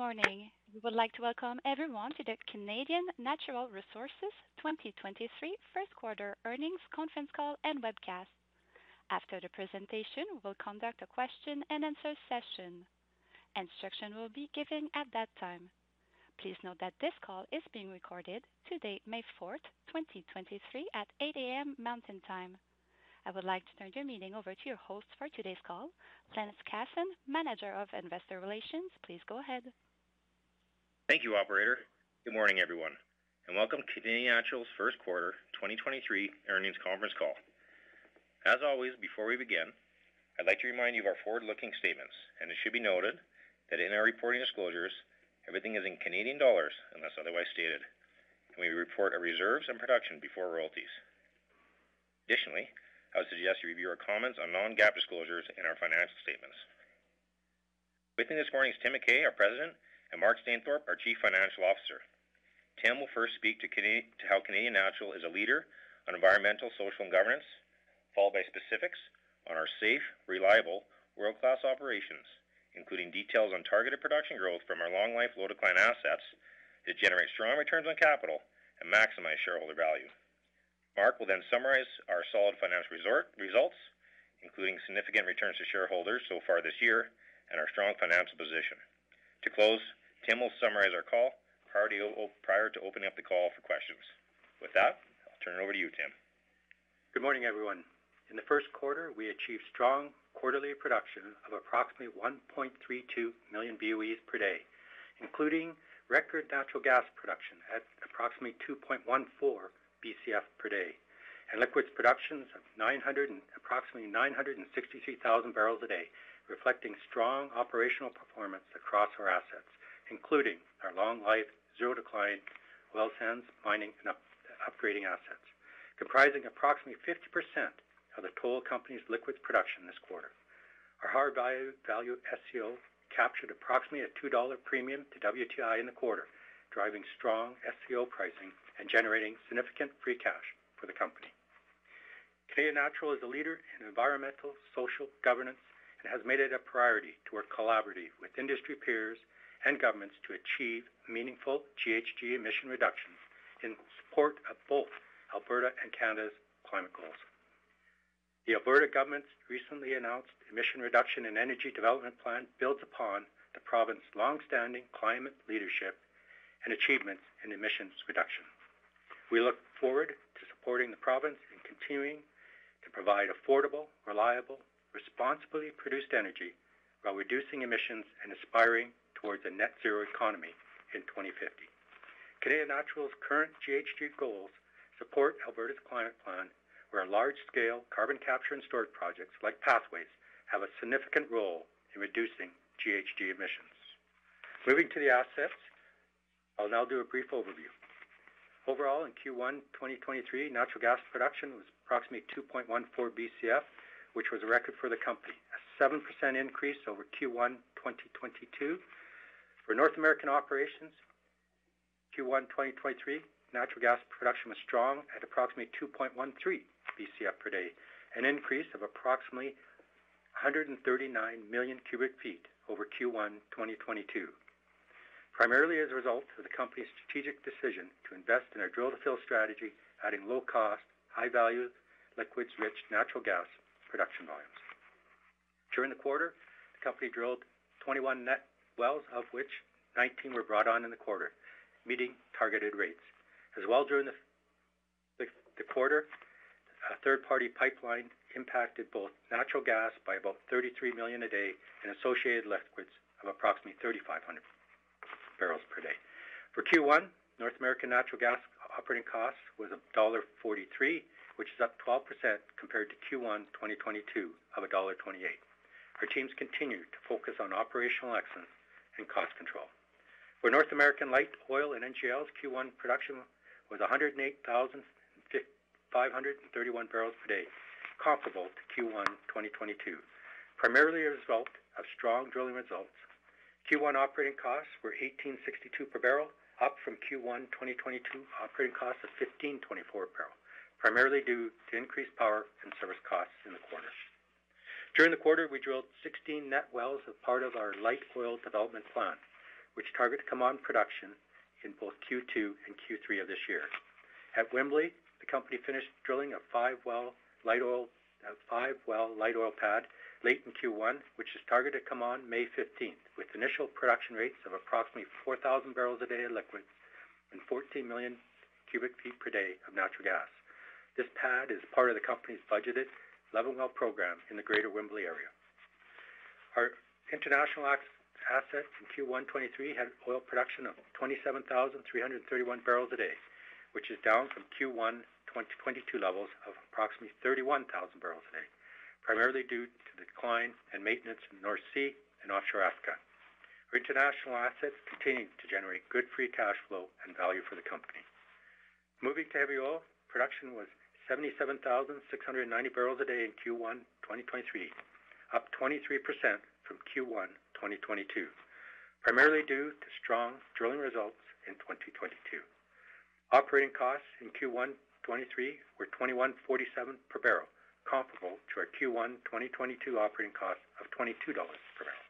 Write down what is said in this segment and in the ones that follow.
Good morning. We would like to welcome everyone to the Canadian Natural Resources 2023 first quarter earnings conference call and webcast. After the presentation, we'll conduct a question-and-answer session. Instruction will be given at that time. Please note that this call is being recorded today, May 4th, 2023 at 8:00 A.M. Mountain Time. I would like to turn your meeting over to your host for today's call, Lance Casson, Manager of Investor Relations. Please go ahead. Thank you, operator. Good morning, everyone, and welcome to Canadian Natural's first quarter 2023 earnings conference call. As always, before we begin, I'd like to remind you of our forward-looking statements, and it should be noted that in our reporting disclosures, everything is in Canadian dollars unless otherwise stated, and we report our reserves and production before royalties. Additionally, I would suggest you review our comments on non-GAAP disclosures in our financial statements. With me this morning is Tim McKay, our President, and Mark Stainthorpe, our Chief Financial Officer. Tim will first speak to how Canadian Natural is a leader on environmental, social, and governance, followed by specifics on our safe, reliable world-class operations, including details on targeted production growth from our long life low decline assets that generate strong returns on capital and maximize shareholder value. Mark will then summarize our solid financial results, including significant returns to shareholders so far this year and our strong financial position. To close, Tim will summarize our call prior to opening up the call for questions. With that, I'll turn it over to you, Tim. Good morning, everyone. In the first quarter, we achieved strong quarterly production of approximately 1.32 million BOEs per day, including record natural gas production at approximately 2.14 BCF per day, and liquids productions of approximately 963,000 barrels a day, reflecting strong operational performance across our assets, including our long life, zero decline oil sands mining, and upgrading assets, comprising approximately 50% of the total company's liquids production this quarter. Our hard value SCO captured approximately a $2 premium to WTI in the quarter, driving strong SCO pricing and generating significant free cash for the company. Canadian Natural is a leader in environmental, social, governance, and has made it a priority to work collaboratively with industry peers and governments to achieve meaningful GHG emission reductions in support of both Alberta and Canada's climate goals. The Alberta government's recently announced Emissions Reduction and Energy Development Plan builds upon the province's long-standing climate leadership and achievements in emissions reduction. We look forward to supporting the province in continuing to provide affordable, reliable, responsibly produced energy while reducing emissions and aspiring towards a net zero economy in 2050. Canadian Natural's current GHG goals support Alberta's climate plan, where large-scale carbon capture and storage projects like Pathways have a significant role in reducing GHG emissions. Moving to the assets, I'll now do a brief overview. Overall, in Q1, 2023, natural gas production was approximately 2.14 BCF, which was a record for the company, a 7% increase over Q1 2022. For North American operations, Q1 2023, natural gas production was strong at approximately 2.13 BCF per day, an increase of approximately 139 million cubic feet over Q1 2022. Primarily as a result of the company's strategic decision to invest in our drill-to-fill strategy, adding low cost, high value, liquids-rich natural gas production volumes. During the quarter, the company drilled 21 net wells, of which 19 were brought on in the quarter, meeting targeted rates. During the quarter, a third-party pipeline impacted both natural gas by about 33 million a day and associated liquids of approximately 3,500 barrels per day. For Q1, North American natural gas operating cost was dollar 1.43, which is up 12% compared to Q1 2022 of dollar 1.28. Our teams continued to focus on operational excellence and cost control. For North American light oil and NGLs, Q1 production was 108,531 barrels per day, comparable to Q1 2022. Primarily a result of strong drilling results, Q1 operating costs were 18.62 per barrel, up from Q1 2022 operating costs of 15.24 per barrel, primarily due to increased power and service costs in the quarter. During the quarter, we drilled 16 net wells as part of our light oil development plan, which targeted to come on production in both Q2 and Q3 of this year. At Wembley, the company finished drilling a five-well light oil pad late in Q1, which is targeted to come on May 15th, with initial production rates of approximately 4,000 barrels a day of liquids and 14 million cubic feet per day of natural gas. This pad is part of the company's budgeted 11-well program in the greater Wembley area. Our international assets in Q1 2023 had oil production of 27,331 barrels a day, which is down from Q1 2022 levels of approximately 31,000 barrels a day, primarily due to the decline in maintenance in the North Sea and offshore Africa. Our international assets continued to generate good free cash flow and value for the company. Moving to heavy oil, production was 77,690 barrels a day in Q1 2023, up 23% from Q1 2022, primarily due to strong drilling results in 2022. Operating costs in Q1 2023 were 21.47 per barrel, comparable to our Q1 2022 operating cost of 22.00 dollars per barrel.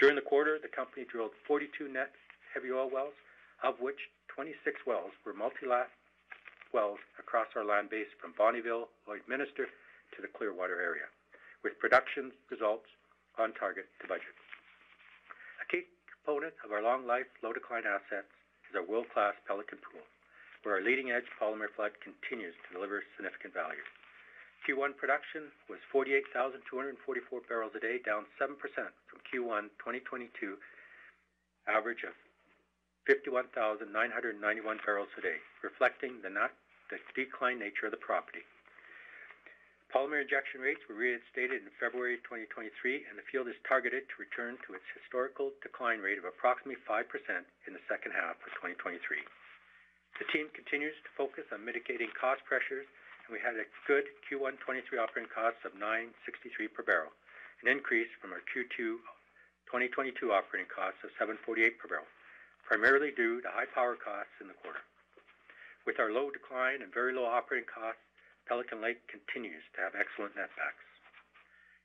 During the quarter, the company drilled 42 net heavy oil wells, of which 26 wells were multilateral wells across our land base from Bonnyville, Lloydminster to the Clearwater area, with production results on target to budget. A key component of our long-life, low-decline assets is our world-class Pelican Lake, where our leading-edge polymer flood continues to deliver significant value. Q1 production was 48,244 barrels a day, down 7% from Q1 2022 average of 51,991 barrels a day, reflecting the decline nature of the property. Polymer injection rates were reinstated in February 2023. The field is targeted to return to its historical decline rate of approximately 5% in the second half of 2023. The team continues to focus on mitigating cost pressures, and we had a good Q1 2023 operating costs of $9.63 per barrel, an increase from our Q2 2022 operating costs of $7.48 per barrel, primarily due to high power costs in the quarter. With our low decline and very low operating costs, Pelican Lake continues to have excellent netbacks.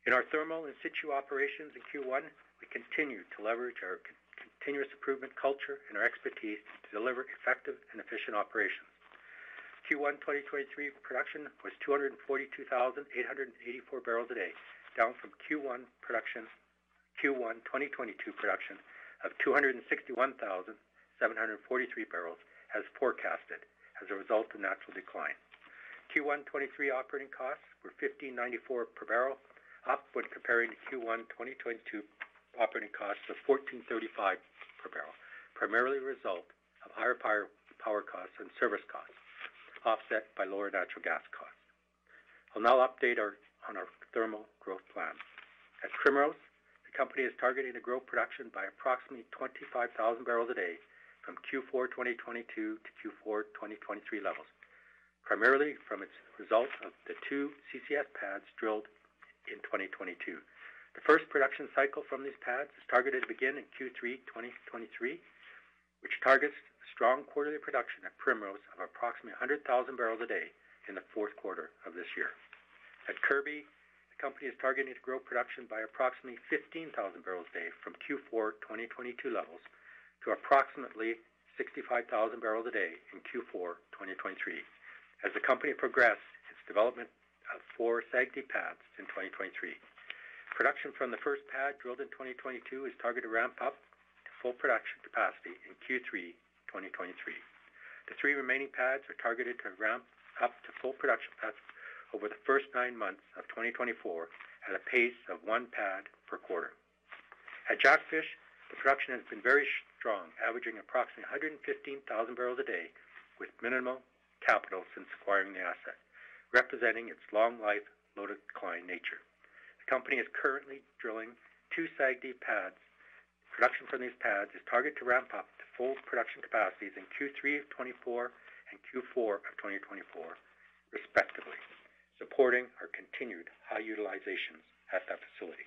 In our thermal in-situ operations in Q1, we continued to leverage our continuous improvement culture and our expertise to deliver effective and efficient operations. Q1 2023 production was 242,884 barrels a day, down from Q1 2022 production of 261,743 barrels as forecasted as a result of natural decline. Q1 2023 operating costs were 15.94 per barrel, upward comparing to Q1 2022 operating costs of 14.35 per barrel, primarily a result of higher power costs and service costs, offset by lower natural gas costs. I'll now update on our thermal growth plan. At Primrose, the company is targeting to grow production by approximately 25,000 barrels a day from Q4 2022 to Q4 2023 levels, primarily from its result of the two CCS pads drilled in 2022. The first production cycle from these pads is targeted to begin in Q3 2023, which targets strong quarterly production at Primrose of approximately 100,000 barrels a day in the fourth quarter of this year. At Kirby, the company is targeting to grow production by approximately 15,000 barrels a day from Q4 2022 levels to approximately 65,000 barrels a day in Q4 2023 as the company progressed its development of 4 SAGD pads in 2023. Production from the first pad drilled in 2022 is targeted to ramp up to full production capacity in Q3 2023. The three remaining pads are targeted to ramp up to full production paths over the first nine months of 2024 at a pace of one pad per quarter. At Jackfish, the production has been very strong, averaging approximately 115,000 barrels a day with minimal capital since acquiring the asset, representing its long life, low decline nature. The company is currently drilling two SAGD pads. Production from these pads is targeted to ramp up to full production capacities in Q3 of 2024 and Q4 of 2024, respectively, supporting our continued high utilizations at that facility.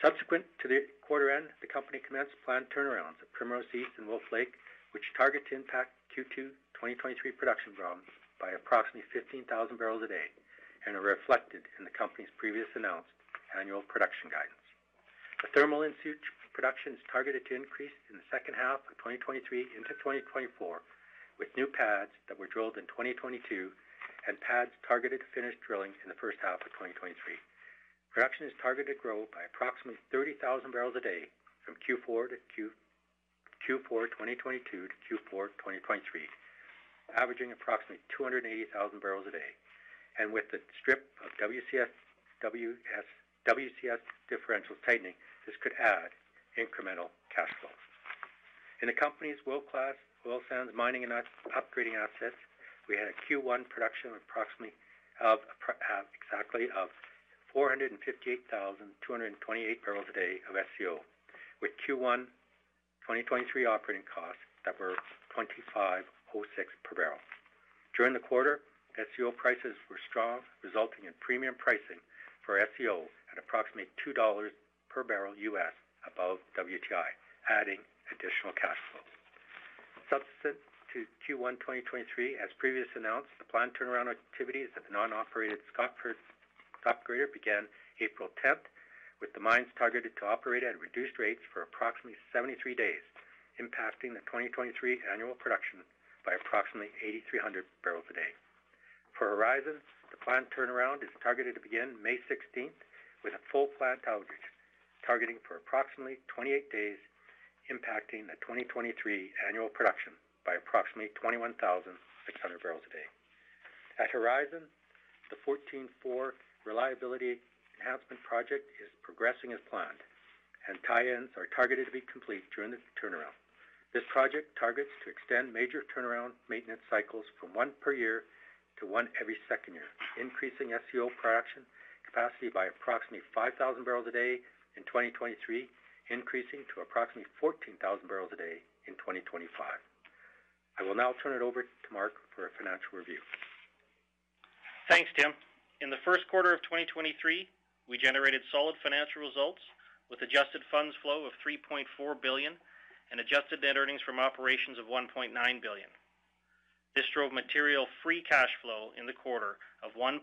Subsequent to the quarter end, the company commenced planned turnarounds at Primrose East and Wolf Lake, which target to impact Q2 2023 production volumes by approximately 15,000 barrels a day and are reflected in the company's previous announced annual production guidance. The thermal in-situ production is targeted to increase in the second half of 2023 into 2024 with new pads that were drilled in 2022 and pads targeted to finish drilling in the first half of 2023. Production is targeted to grow by approximately 30,000 barrels a day from Q4 2022 to Q4 2023, averaging approximately 280,000 barrels a day. With the strip of WCS differential tightening, this could add incremental cash flow. In the company's world-class oil sands mining and upgrading assets, we had a Q1 production of approximately 458,228 barrels a day of SCO, with Q1 2023 operating costs that were $25.06 per barrel. During the quarter, SCO prices were strong, resulting in premium pricing for SCO at approximately $2 per barrel US above WTI, adding additional cash flow. Subsequent to Q1 2023, as previously announced, the planned turnaround activities of the non-operated Scotford upgrader began April 10th, with the mines targeted to operate at reduced rates for approximately 73 days, impacting the 2023 annual production by approximately 8,300 barrels a day. For Horizon, the planned turnaround is targeted to begin May 16th, with a full plant outage targeting for approximately 28 days, impacting the 2023 annual production by approximately 21,600 barrels a day. At Horizon, the 14-4 reliability enhancement project is progressing as planned, and tie-ins are targeted to be complete during this turnaround. This project targets to extend major turnaround maintenance cycles from one per year to one every second year, increasing SCO production capacity by approximately 5,000 barrels a day in 2023, increasing to approximately 14,000 barrels a day in 2025. I will now turn it over to Mark for a financial review. Thanks, Tim. In the first quarter of 2023, we generated solid financial results with adjusted funds flow of 3.4 billion and adjusted net earnings from operations of 1.9 billion. This drove material free cash flow in the quarter of 1.4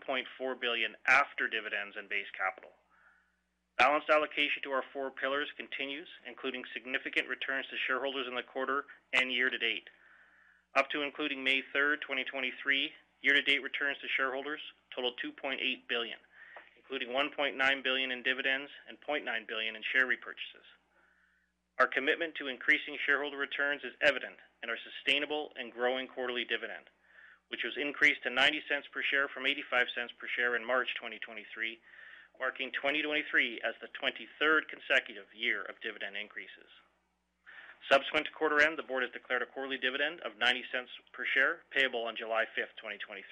billion after dividends and base capital. Balanced allocation to our four pillars continues, including significant returns to shareholders in the quarter and year-to-date. Up to including May 3, 2023, year-to-date returns to shareholders totaled 2.8 billion, including 1.9 billion in dividends and 0.9 billion in share repurchases. Our commitment to increasing shareholder returns is evident in our sustainable and growing quarterly dividend, which was increased to 0.90 per share from 0.85 per share in March 2023, marking 2023 as the 23rd consecutive year of dividend increases. Subsequent to quarter end, the board has declared a quarterly dividend of 0.90 per share, payable on July 5, 2023.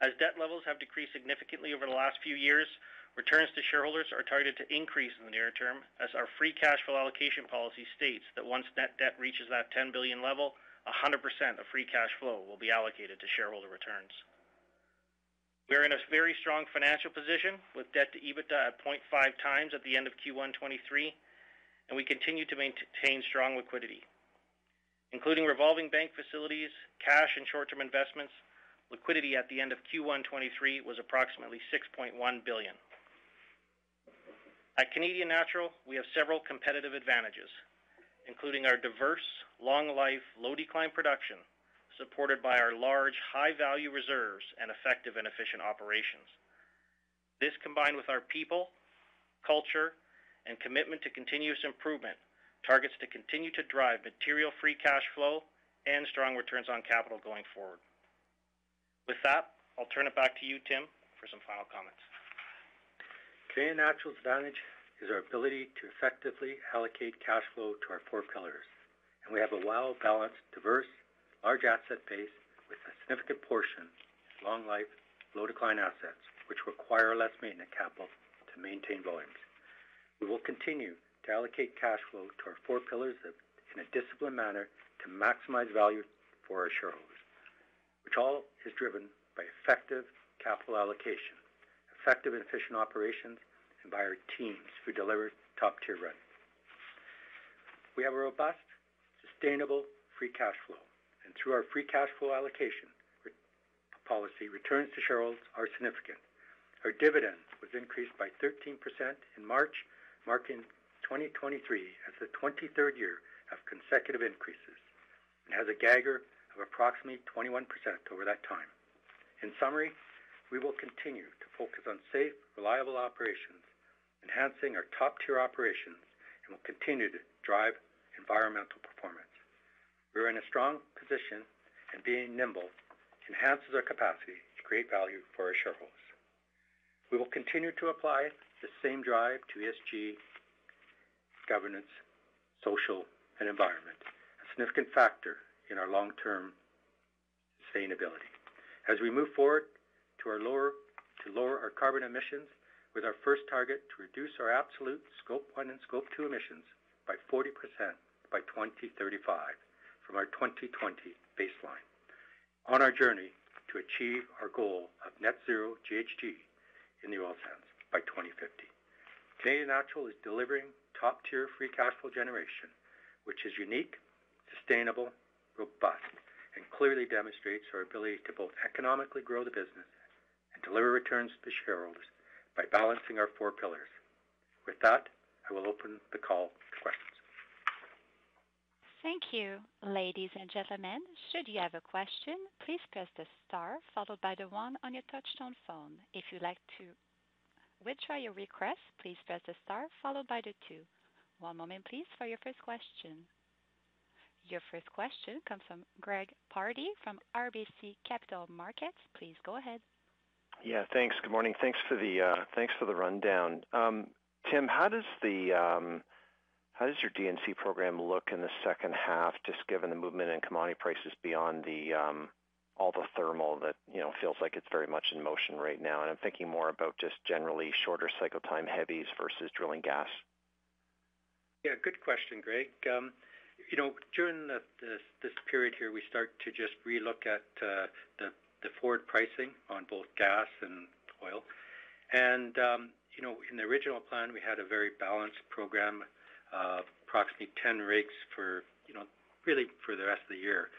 As debt levels have decreased significantly over the last few years, returns to shareholders are targeted to increase in the near term as our free cash flow allocation policy states that once net debt reaches that 10 billion level, 100% of free cash flow will be allocated to shareholder returns. We are in a very strong financial position with debt to EBITDA at 0.5x at the end of Q1 2023, and we continue to maintain strong liquidity. Including revolving bank facilities, cash and short-term investments, liquidity at the end of Q1 2023 was approximately 6.1 billion. At Canadian Natural, we have several competitive advantages, including our diverse, long life, low decline production, supported by our large high-value reserves and effective and efficient operations. This, combined with our people, culture, and commitment to continuous improvement, targets to continue to drive material free cash flow and strong returns on capital going forward. With that, I'll turn it back to you, Tim, for some final comments. Canadian Natural's advantage is our ability to effectively allocate cash flow to our four pillars, and we have a well-balanced, diverse, large asset base with a significant portion of long life, low decline assets, which require less maintenance capital to maintain volumes. We will continue to allocate cash flow to our four pillars in a disciplined manner to maximize value for our shareholders, which all is driven by effective capital allocation, effective and efficient operations, and by our teams who deliver top-tier run. We have a robust, sustainable free cash flow, and through our free cash flow allocation policy, returns to shareholders are significant. Our dividends was increased by 13% in March, marking 2023 as the 23rd year of consecutive increases, and has a CAGR of approximately 21% over that time. In summary, we will continue to focus on safe, reliable operations, enhancing our top-tier operations, and will continue to drive environmental performance. We are in a strong position, and being nimble enhances our capacity to create value for our shareholders. We will continue to apply the same drive to ESG governance, social, and environment, a significant factor in our long-term sustainability. As we move forward to lower our carbon emissions with our first target to reduce our absolute Scope 1 and Scope 2 emissions by 40% by 2035 from our 2020 baseline on our journey to achieve our goal of net zero GHG in the oil sands by 2050. Canadian Natural is delivering top-tier free cash flow generation, which is unique, sustainable, robust, and clearly demonstrates our ability to both economically grow the business and deliver returns to shareholders by balancing our four pillars. With that, I will open the call to questions. Thank you. Ladies and gentlemen, should you have a question, please press the star followed by the one on your touchtone phone. If you'd like to withdraw your request, please press the star followed by the two. One moment, please, for your first question. Your first question comes from Greg Pardy from RBC Capital Markets. Please go ahead. Yeah, thanks. Good morning. Thanks for the thanks for the rundown. Tim, how does the how does your D&C program look in the second half, just given the movement in commodity prices beyond the all the thermal that, you know, feels like it's very much in motion right now? I'm thinking more about just generally shorter cycle time heavies versus drilling gas. Yeah, good question, Greg. You know, during this period here, we start to just relook at the forward pricing on both gas and oil. You know, in the original plan, we had a very balanced program of approximately 10 rigs for, you know, really for the rest of the year.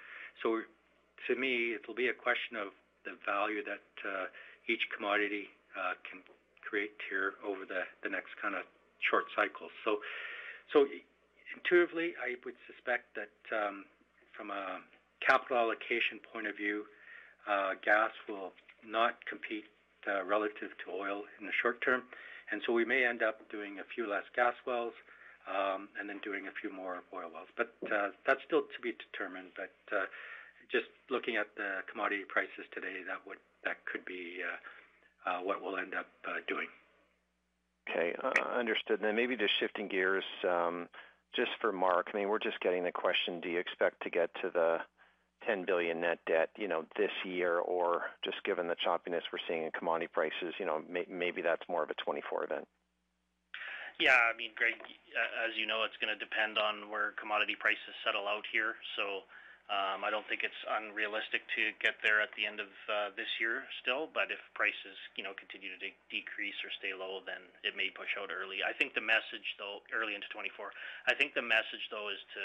To me, it'll be a question of the value that each commodity can create here over the next kinda short cycle. Intuitively, I would suspect that from a capital allocation point of view, gas will not compete relative to oil in the short term. We may end up doing a few less gas wells, and then doing a few more oil wells. That's still to be determined. Just looking at the commodity prices today, that could be what we'll end up doing. Okay. Understand. Maybe just shifting gears, just for Mark. I mean, we're just getting the question, do you expect to get to the 10 billion net debt, you know, this year, or just given the choppiness we're seeing in commodity prices, you know, maybe that's more of a 2024 event? Greg, as you know, it's gonna depend on where commodity prices settle out here. I don't think it's unrealistic to get there at the end of this year still. If prices, you know, continue to decrease or stay low, then it may push out early. I think the message, though, early into 2024. I think the message, though, is to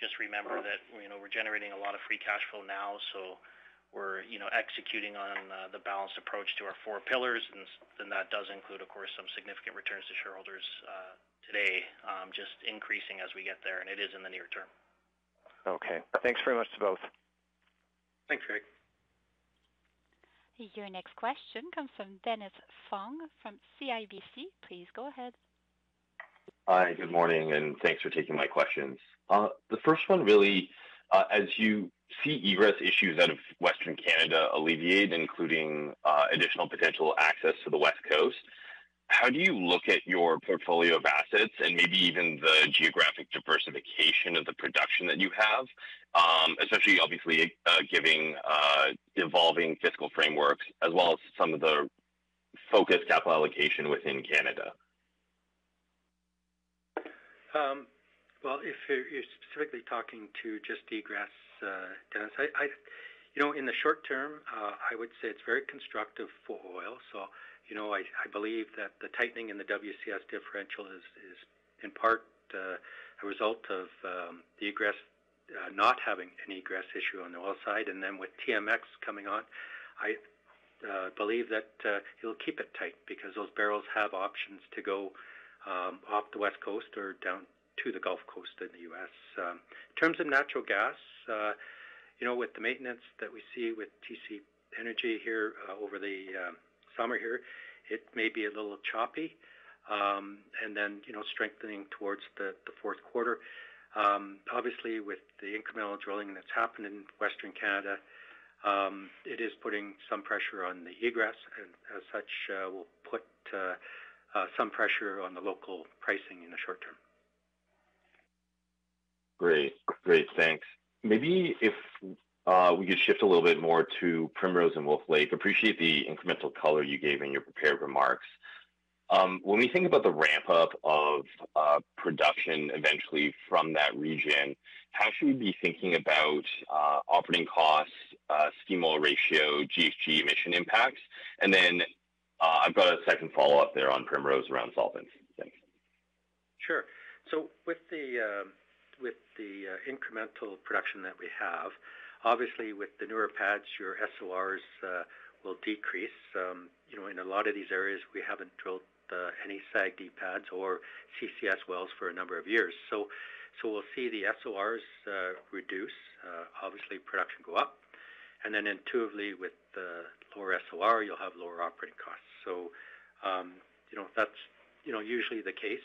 just remember that, you know, we're generating a lot of free cash flow now, so we're, you know, executing on the balanced approach to our four pillars. That does include, of course, some significant returns to shareholders, today, just increasing as we get there, and it is in the near term. Okay. Thanks very much to both. Thanks, Greg. Your next question comes from Dennis Fong from CIBC. Please go ahead. Hi, good morning, and thanks for taking my questions. The first one, really, as you see egress issues out of Western Canada alleviated, including, additional potential access to the West Coast, how do you look at your portfolio of assets and maybe even the geographic diversification of the production that you have, especially obviously, giving, evolving fiscal frameworks as well as some of the focused capital allocation within Canada? Well, if you're specifically talking to just the egress, Dennis, you know, in the short term, I would say it's very constructive for oil. You know, I believe that the tightening in the WCS differential is in part, a result of the egress, not having any egress issue on the oil side. With TMX coming on, I believe that it'll keep it tight because those barrels have options to go up the West Coast or down to the Gulf Coast in the U.S. In terms of natural gas, you know, with the maintenance that we see with TC Energy here, over the summer here, it may be a little choppy, and then, you know, strengthening towards the fourth quarter. Obviously with the incremental drilling that's happened in Western Canada, it is putting some pressure on the egress, and as such, will put some pressure on the local pricing in the short term. Great. Thanks. Maybe if we could shift a little bit more to Primrose and Wolf Lake. Appreciate the incremental color you gave in your prepared remarks. When we think about the ramp-up of production eventually from that region, how should we be thinking about operating costs, steam oil ratio, GHG emission impacts? I've got a second follow-up there on Primrose around solvents. Thanks. Sure. With the incremental production that we have, obviously with the newer pads, your SORs will decrease. You know, in a lot of these areas, we haven't drilled any SAGD pads or CCS wells for a number of years. We'll see the SORs reduce, obviously production go up. Intuitively with the lower SOR, you'll have lower operating costs. You know, that's, you know, usually the case.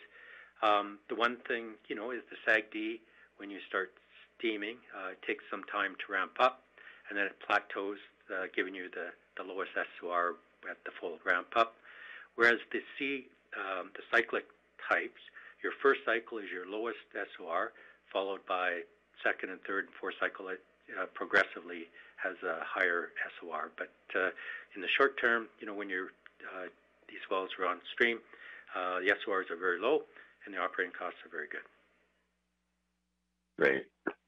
The one thing, you know, is the SAGD, when you start steaming, it takes some time to ramp up, and then it plateaus, giving you the lowest SOR at the full ramp up. Whereas the cyclic types, your first cycle is your lowest SOR, followed by second and third and fourth cycle, progressively has a higher SOR. In the short term, you know, when you're these wells are on stream, the SORs are very low and the operating costs are very good. Great.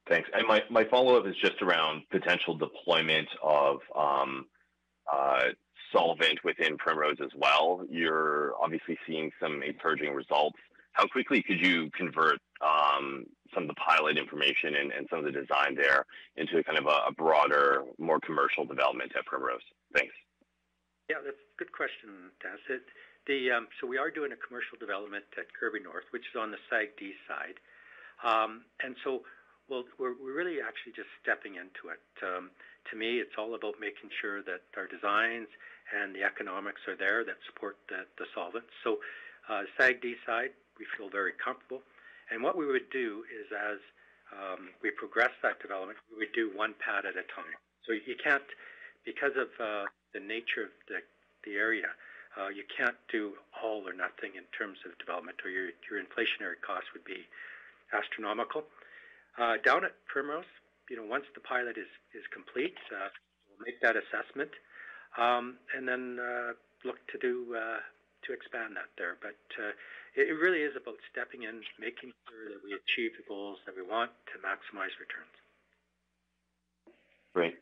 Thanks. My, my follow-up is just around potential deployment of solvent within Primrose as well. You're obviously seeing some encouraging results. How quickly could you convert some of the pilot information and some of the design there into kind of a broader, more commercial development at Primrose? Thanks. That's a good question, Dennis Fong. We are doing a commercial development at Kirby North, which is on the SAGD side. We're really actually just stepping into it. To me, it's all about making sure that our designs and the economics are there that support the solvent. SAGD side, we feel very comfortable. What we would do is as we progress that development, we do one pad at a time. You can't. Because of the nature of the area, you can't do all or nothing in terms of development, or your inflationary costs would be astronomical. Down at Primrose, you know, once the pilot is complete, we'll make that assessment, and then look to do to expand that there. It really is about stepping in, making sure that we achieve the goals that we want to maximize returns. Great.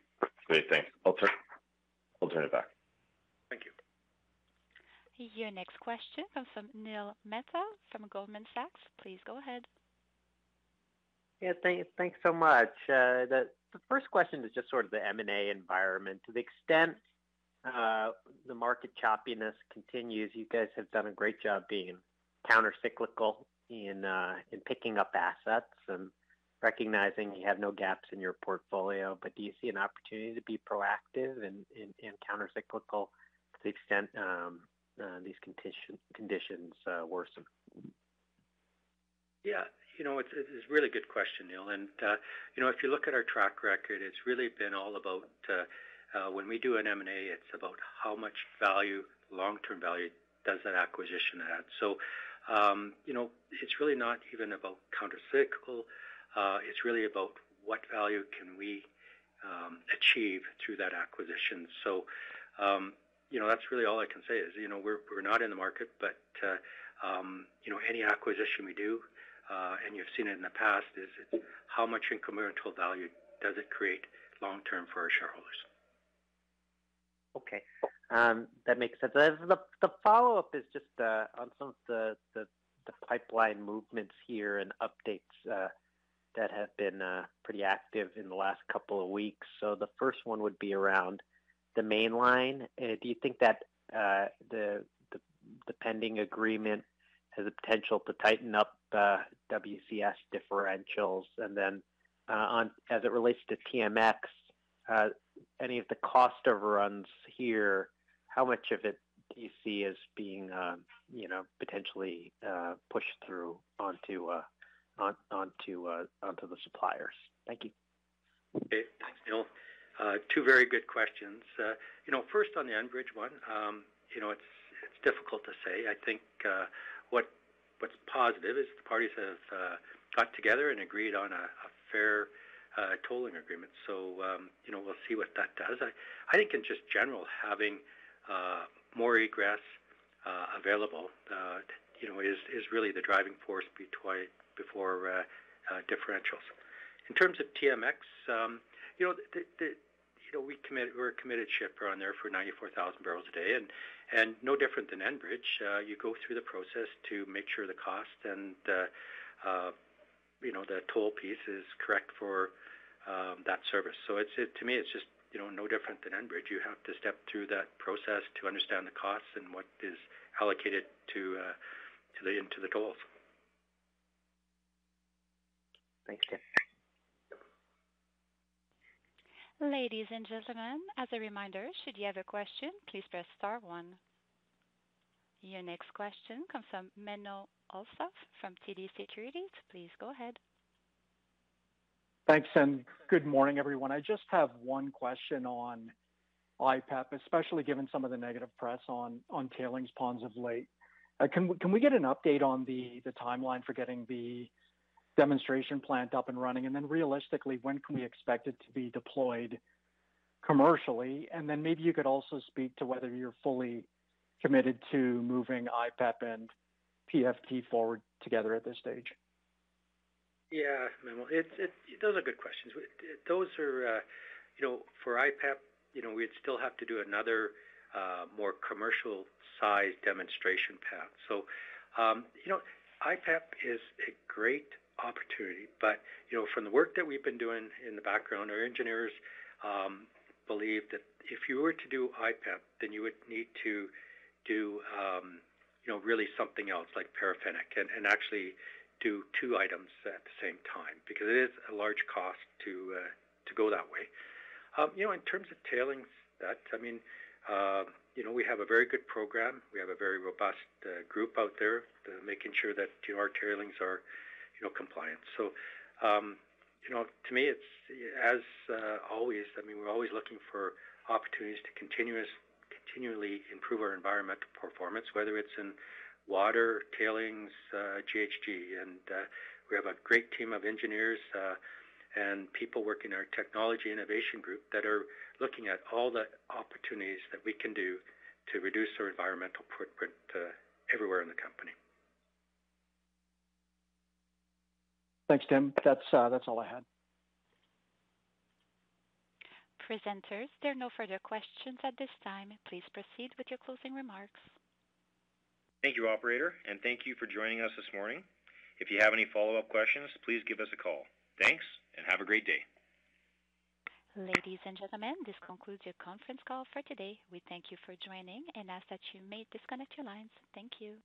Great. Thanks. I'll turn it back. Thank you. Your next question comes from Neil Mehta from Goldman Sachs. Please go ahead. Yeah. Thank, thanks so much. The first question is just sort of the M&A environment. To the extent the market choppiness continues, you guys have done a great job being countercyclical in picking up assets and recognizing you have no gaps in your portfolio. Do you see an opportunity to be proactive and countercyclical to the extent these conditions worsen? Yeah. You know, it's a really good question, Neil. You know, if you look at our track record, it's really been all about when we do an M&A, it's about how much value, long-term value does that acquisition add. You know, it's really not even about countercyclical, it's really about what value can we achieve through that acquisition. You know, that's really all I can say is, you know, we're not in the market, but, you know, any acquisition we do, and you've seen it in the past, is how much incremental value does it create long-term for our shareholders? Okay, that makes sense. The follow-up is just on some of the pipeline movements here and updates that have been pretty active in the last couple of weeks. The first one would be around the Mainline. Do you think that the pending agreement has the potential to tighten up WCS differentials? As it relates to TMX, any of the cost overruns here, how much of it do you see as being, you know, potentially pushed through onto the suppliers? Thank you. Okay. Thanks, Neil. Two very good questions. you know, first on the Enbridge one, you know, it's difficult to say. I think what's positive is the parties have got together and agreed on a fair tolling agreement. you know, we'll see what that does. I think in just general, having more egress available, you know, is really the driving force before differentials. In terms of TMX, you know, you know, We're a committed shipper on there for 94,000 barrels a day and no different than Enbridge. you go through the process to make sure the cost and the, you know, the toll piece is correct for that service. it's, to me, it's just, you know, no different than Enbridge. You have to step through that process to understand the costs and what is allocated to the, into the tolls. Thanks, Tim. Ladies and gentlemen, as a reminder, should you have a question, please press star one. Your next question comes from Menno Hulshof from TD Securities. Please go ahead. Thanks, good morning, everyone. I just have one question on IPEP, especially given some of the negative press on tailings ponds of late. Can we get an update on the timeline for getting the demonstration plant up and running? Realistically, when can we expect it to be deployed commercially? Maybe you could also speak to whether you're fully committed to moving IPEP and PFT forward together at this stage. Yeah. Menno, it's. Those are good questions. Those are, you know, for IPEP, you know, we'd still have to do another, more commercial size demonstration path. You know, IPEP is a great opportunity, you know, from the work that we've been doing in the background, our engineers, believe that if you were to do IPEP, you would need to do, you know, really something else like paraffinic and actually do two items at the same time. It is a large cost to go that way. You know, in terms of tailings, that, I mean, you know, we have a very good program. We have a very robust group out there making sure that our tailings are, you know, compliant. You know, to me, it's as always, I mean, we're always looking for opportunities to continually improve our environmental performance, whether it's in water, tailings, GHG. We have a great team of engineers, and people working in our technology innovation group that are looking at all the opportunities that we can do to reduce our environmental footprint, everywhere in the company. Thanks, Tim. That's all I had. Presenters, there are no further questions at this time. Please proceed with your closing remarks. Thank you, operator, and thank you for joining us this morning. If you have any follow-up questions, please give us a call. Thanks, and have a great day. Ladies and gentlemen, this concludes your conference call for today. We thank you for joining and ask that you may disconnect your lines. Thank you.